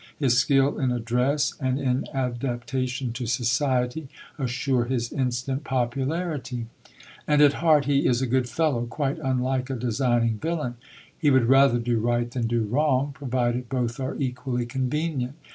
His skill in address and in adaptation to society assure his instant popularity; and at heart he is a good fellow, quite unlike a designing villain. He would rather do right than do wrong, provided both are equally convenient.